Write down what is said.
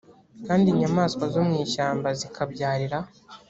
kandi inyamaswa zo mu ishyamba zikabyarira